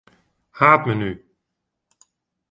Haadmenu.